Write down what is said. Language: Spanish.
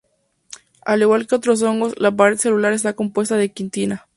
Al igual que otros hongos, la pared celular está compuesta de quitina.